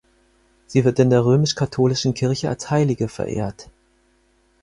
Sie wird in der römisch-katholischen Kirche als Heilige verehrt.